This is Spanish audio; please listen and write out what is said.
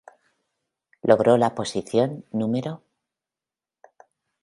Logró la posición No.